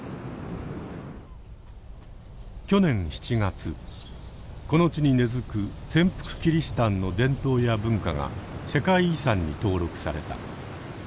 去年７月この地に根づく潜伏キリシタンの伝統や文化が世界遺産に登録された。